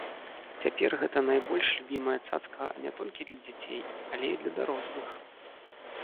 Цяпер гэта найбольш любімая цацка не толькі для дзяцей, але і для дарослых.